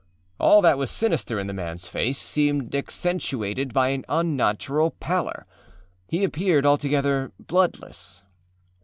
All that was sinister in the manâs face seemed accentuated by an unnatural pallorâhe appeared altogether bloodless.